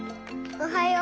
おはよう。